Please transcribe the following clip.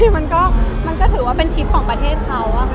มันก็ถือว่าเป็นทริปของประเทศเขาอะค่ะ